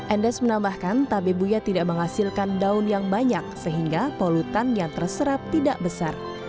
endes menambahkan tabe buya tidak menghasilkan daun yang banyak sehingga polutan yang terserap tidak besar